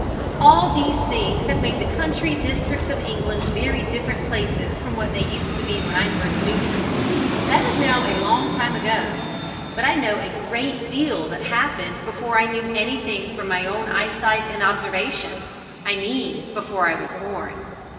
All these things have made the country districts of England very different places from what they used to be when I first knew them. That is now a long time ago, but I know a great deal that happened before I knew anything from my own eyesight and observation I mean before I was born.